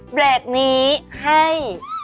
เบรกนี้ให้